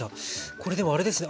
これでもあれですね。